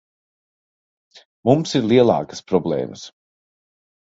Mums ir lielākas problēmas.